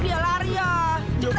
tidur capek nih cepetan